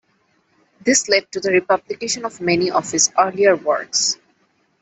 This led to the republication of many of his earlier works.